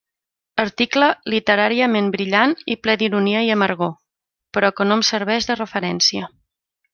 Article literàriament brillant i ple d'ironia i amargor, però que no em serveix de referència.